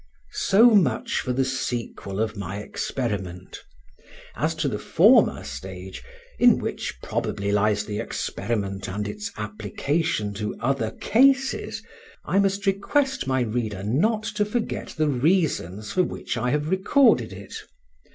So much for the sequel of my experiment. As to the former stage, in which probably lies the experiment and its application to other cases, I must request my reader not to forget the reasons for which I have recorded it.